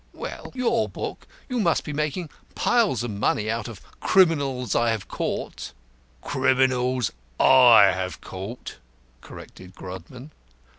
"Well, your book. You must be making piles of money out of Criminals I have Caught." "'Criminals I have Caught,'" corrected Grodman.